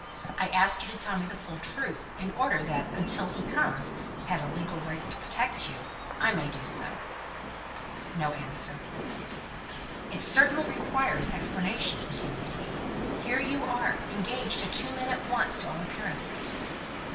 I asked you to tell me the full truth, in order that until he comes, and has a legal right to protect you, I may do so." No answer. "It certainly requires explanation," continued he. "Here are you, engaged to two men at once to all appearances!"